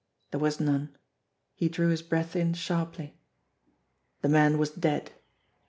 There was none. He drew his breath in sharply. The man was dead.